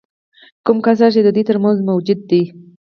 کوم کسر چې د دوی ترمنځ موجود دی